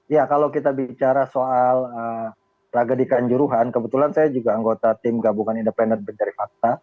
ya kalau kita bicara soal tragedi kanjuruhan kebetulan saya juga anggota tim gabungan independen mencari fakta